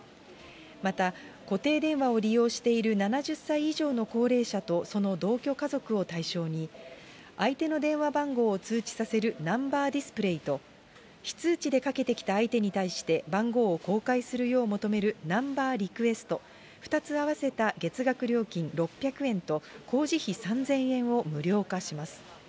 また、固定電話を利用している７０歳以上の高齢者とその同居家族を対象に、相手の電話番号を通知させるナンバー・ディスプレイと、非通知でかけてきた相手に対して、番号を公開するよう求めるナンバー・リクエスト、２つ合わせた月額料金６００円と工事費３０００円を無料化します。